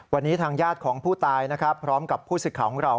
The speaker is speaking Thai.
วันนี้ทางญาติของผู้ตายพร้อมกับผู้สื่อข่าวของเรา